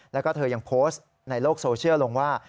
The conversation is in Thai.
แล้วก็เธอยังโพสต์ในโลกโซเชียลลงว่า